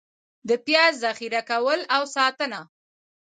د پیاز ذخېره کول او ساتنه: